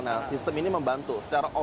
nah sistem ini membantu secara otomatis